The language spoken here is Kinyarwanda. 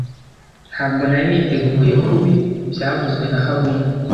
Ntabwo nari niteguye kubi byavuzwe na haruna